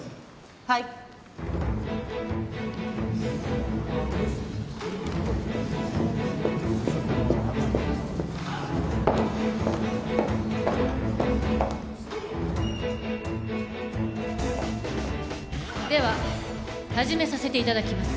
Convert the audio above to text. はいでは始めさせていただきます